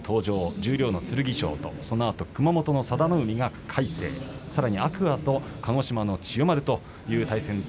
十両の剣翔とそのあと熊本の佐田の海は魁聖とさらに天空海と鹿児島の千代丸と